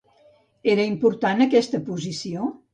Era important aquesta posició?